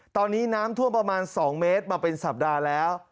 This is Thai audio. ตอนนี้น้ำท่วมประมาณ๒เมตรมาเป็นสัปดาห์แล้ว